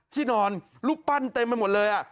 ที่นอนรูปปั้นเต็มไปหมดเลย